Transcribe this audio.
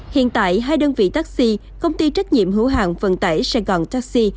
hiện tại hai đơn vị taxi công ty trách nhiệm hữu hàng vận tải sài gòn taxi